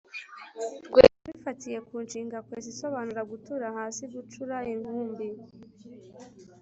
rwesa: bifatiye ku inshinga “kwesa” isobanura gutura hasi, gucura inkumbi,